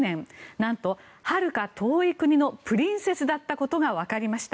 なんとはるか遠い国のプリンセスだったことがわかりました。